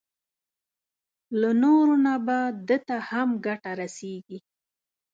له نورو نه به ده ته هم ګټه رسېږي.